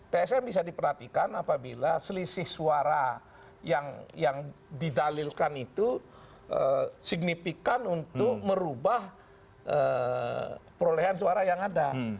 psm bisa diperhatikan apabila selisih suara yang didalilkan itu signifikan untuk merubah perolehan suara yang ada